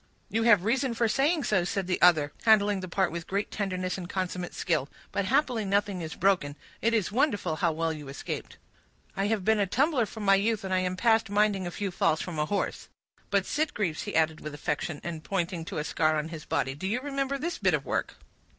"You have reason for saying so," said the other, handling the part with great tenderness and consummate skill. "But happily nothing is broken. It is wonderful how well you escaped!" "I have been a tumbler from my youth, and I am past minding a few falls from a horse; but, Sitgreaves," he added with affection, and pointing to a scar on his body, "do you remember this bit of work?"